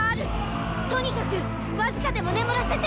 とにかくわずかでも眠らせて！